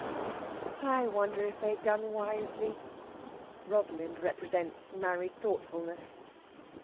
"I wonder if they've done wisely." Rosalind represents married thoughtfulness.